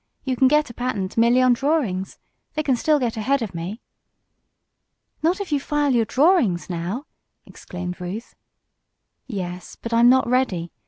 You can get a patent merely on drawings. They can still get ahead of me." "Not if you file your drawings now!" exclaimed Ruth. "Yes, but I'm not ready.